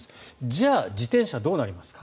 じゃあ、自転車どうなりますか。